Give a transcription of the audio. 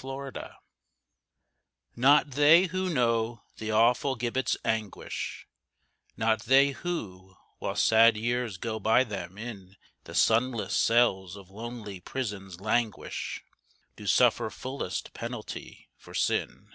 THE PUNISHED Not they who know the awful gibbet's anguish, Not they who, while sad years go by them, in The sunless cells of lonely prisons languish, Do suffer fullest penalty for sin.